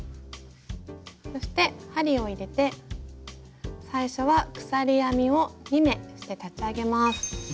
そして針を入れて最初は鎖編みを２目して立ち上げます。